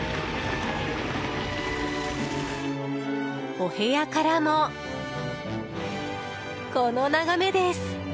お部屋からも、この眺めです。